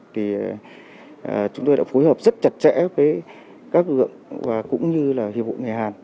thì chúng tôi đã phối hợp rất chặt chẽ với các ưu ẩn và cũng như là hiệp hội người hàn